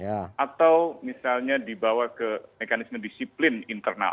atau misalnya dibawa ke mekanisme disiplin internal